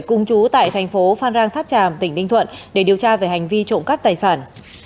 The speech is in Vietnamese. cùng chú tại thành phố phan rang tháp tràm tỉnh ninh thuận để điều tra về hành vi trộm cắp tài sản